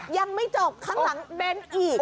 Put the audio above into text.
ยังไม่จบข้างหลังเบ้นอีก